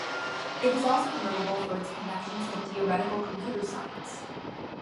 It is also notable for its connections to theoretical computer science.